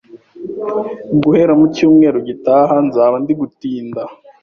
Guhera mucyumweru gitaha, nzaba ndi gutinda